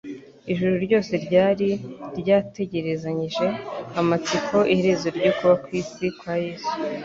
Ijuru ryose ryari ryategerezanyije amatsiko iherezo ryo kuba ku isi kwa Yesu,